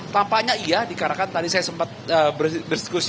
tampaknya iya dikarenakan tadi saya sempat berdiskusi